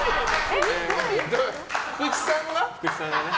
福地さんがね。